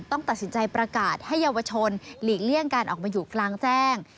ต้องตัดสินใจประกาศให้เยาวชนหลีกเลี่ยงการออกมาอยู่กลางแจ้ง